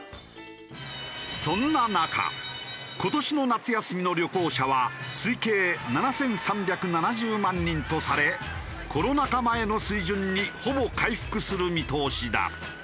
そんな中今年の夏休みの旅行者は推計７３７０万人とされコロナ禍前の水準にほぼ回復する見通しだ。